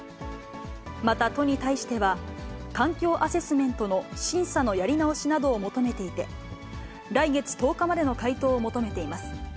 また、都に対しては、環境アセスメントの審査のやり直しなどを求めていて、来月１０日までの回答を求めています。